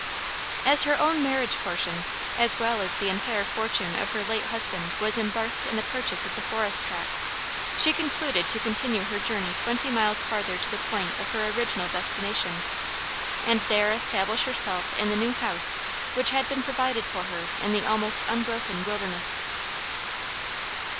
As her own marriage portion as well as the entire fortune of her late husband was embarked in the purchase of the forest tract, she concluded to continue her journey twenty miles farther to the point of her original destination, and there establish herself in the new house which had been provided for her in the almost unbroken wilderness.